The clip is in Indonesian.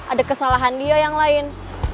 ada kesalahan dia yang lain